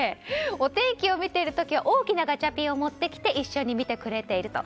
お天気を見ている時は大きなガチャピンを持ってきて一緒に見てくれていると。